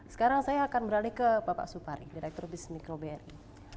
sekarang saya akan beralih ke bapak supari direktur bisnis mikro bri